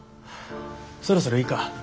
そろそろいいか？